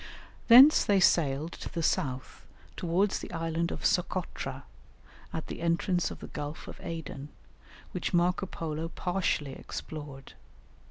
Thence they sailed to the south towards the island of Socotra, at the entrance of the Gulf of Aden, which, Marco Polo partially explored.